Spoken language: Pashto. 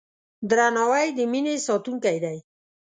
درناوی د مینې ساتونکی دی.